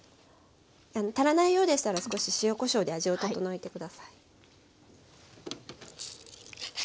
あの足らないようでしたら少し塩こしょうで味を調えて下さい。